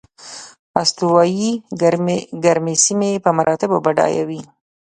استوایي ګرمې سیمې په مراتبو بډایه وې.